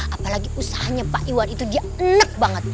apalagi usahanya pak iwan itu dia elek banget